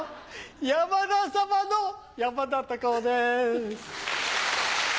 山田サマの山田隆夫です。